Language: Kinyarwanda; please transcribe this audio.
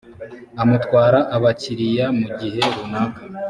amutwara abakiriya mu gihe runaka